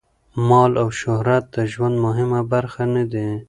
مال او شهرت د ژوند مهمه برخه نه دي.